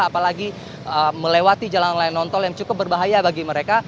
apalagi melewati jalan layang nontol yang cukup berbahaya bagi mereka